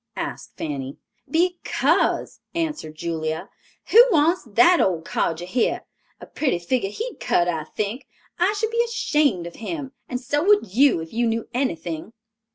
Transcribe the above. asked Fanny. "Because," answered Julia, "who wants that old codger here? A pretty figure he'd cut, I think. I should be ashamed of him; and so would you, if you knew anything."